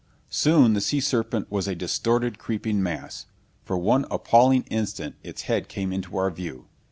Soon the sea serpent was a distorted, creeping mass. For one appalling instant its head came into our view....